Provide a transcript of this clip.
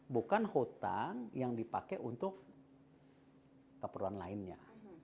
bukan hutang yang dipakai untuk keperluan lainnya